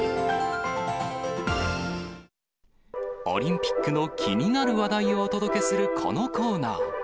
オリンピックの気になる話題をお届けするこのコーナー。